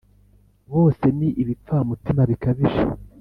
bose ni ibipfamutima bikabije,